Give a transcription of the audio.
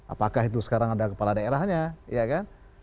apakah itu sekarang ada kepala daerahnya ya kan